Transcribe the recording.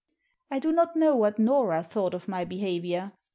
I do not know what Nora thought of my behaviour.